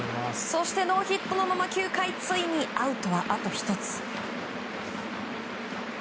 そしてノーヒットのまま９回、ついにアウトはあと１つ。